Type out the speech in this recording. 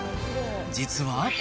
実は。